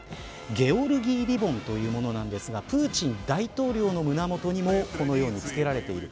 ゲオルギーリボンというものなんですがプーチン大統領の胸元にもつけられている。